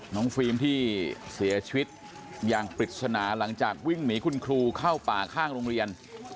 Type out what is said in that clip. ฟิล์มที่เสียชีวิตอย่างปริศนาหลังจากวิ่งหนีคุณครูเข้าป่าข้างโรงเรียน